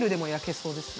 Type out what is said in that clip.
そうですね。